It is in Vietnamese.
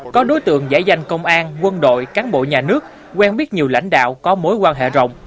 có đối tượng giải danh công an quân đội cán bộ nhà nước quen biết nhiều lãnh đạo có mối quan hệ rộng